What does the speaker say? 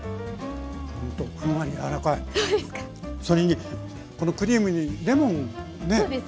それにこのクリームにレモンね